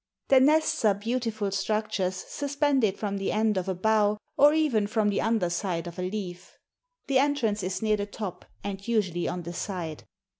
The nests are beautiful structures suspended from the end of a bough or even from the underside of a leaf. The entrance is near the top and usually on the side.